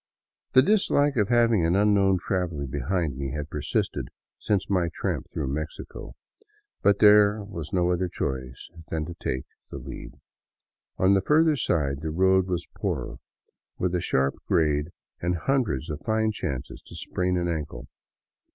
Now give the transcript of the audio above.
The dislike of having an unknown traveler behind me had persisted since my tramp through Mexico, but there was no other choice than to take the lead. On the further side the road was poorer, with a sharp grade and hundreds of fine chances to sprain an ankle.